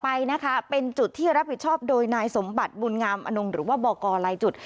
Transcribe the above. ไปนะคะเป็นจุดที่รับผิดชอบโดยนายสมบัติบุญงามอนงหรือว่าบอกกรลายจุด